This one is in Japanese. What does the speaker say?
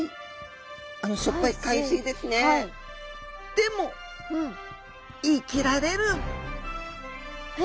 でも生きられる！え！？